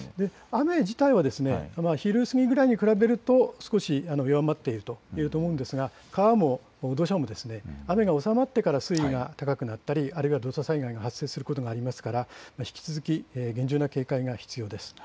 雨自体は昼過ぎくらいに比べると少し弱まっていると思いますが、川も土砂も、雨が収まってから水位が高くなったり、土砂災害が発生することがあるので引き続き厳重な警戒が必要です。